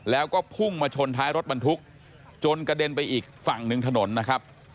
แล้วก็พุ่งมาชนท้ายรถบรรทุกจนกระเด็นไปอีกฝั่งหนึ่งถนนนะครับ